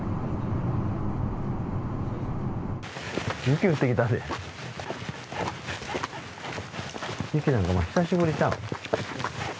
雪降ってきたで雪なんかお前久しぶりちゃう？